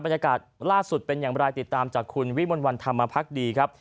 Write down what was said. บรรยากาศล่าสุดเป็นอย่างไรติดตามจากคุณวิมลวันธรรมพักดีครับ